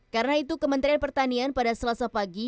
karena itu kementerian pertanian pada selesai pagi